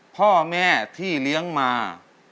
พ่อแม่ที่เลี้ยงมา